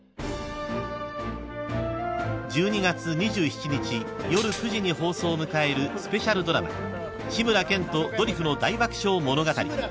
［１２月２７日夜９時に放送を迎えるスペシャルドラマ『志村けんとドリフの大爆笑物語』］